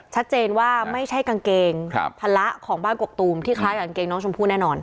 ชัดเจนว่าไม่ใช่กางเกงพละของบ้านกกตูมที่คล้ายกับกางเกงน้องชมพู่แน่นอน